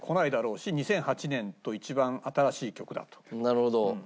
なるほど。